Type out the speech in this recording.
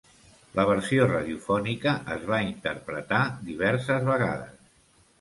La versió radiofònica es va interpretar diverses vegades.